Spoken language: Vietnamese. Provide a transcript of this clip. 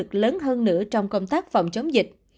nó sẽ tăng nhanh hơn hơn nữa trong công tác phòng chống dịch